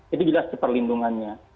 itu jelas perlindungannya